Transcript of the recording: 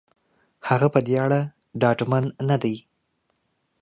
هغه په دې اړه ډاډمن نه دی.